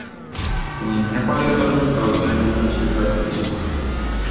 তিনি নেপালি চলচ্চিত্রে অভিনয়ের জন্য বিশেষভাবে পরিচিত।